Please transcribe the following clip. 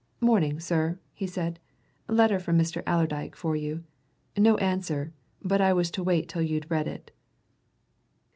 "Morning, sir," he said. "Letter from Mr. Allerdyke for you. No answer, but I was to wait till you'd read it."